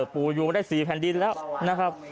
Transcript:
ปู่อยู่มาได้๔แผ่นดินแล้วนะครับ